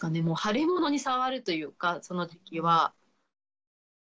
もう腫れ物に触るというかその時は。